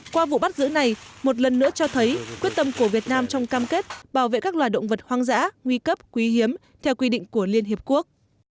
qua vụ bắt giữ này một lần nữa cho thấy quyết tâm của việt nam trong cam kết bảo vệ các loài động vật hoang dã nguy cấp quý hiếm theo quy định của liên hiệp quốc